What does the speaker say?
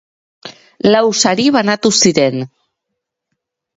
Lau sari banatu ziren.